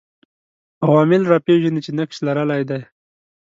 عوامل راپېژني چې نقش لرلای دی